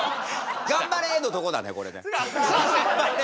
「頑張れ！」のとこだねこれね。